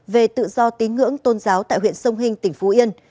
về tự do tín ngưỡng tôn giáo tại huyện sông hình tỉnh phú yên